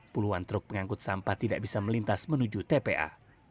puluhan truk pengangkut sampah tidak bisa melintas menuju tpa